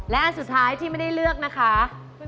และอันสุดท้ายที่ไม่ได้เลือกนะคะ